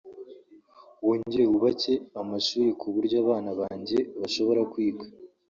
wongere wubake amashuri ku buryo abana banjye bashobora kwiga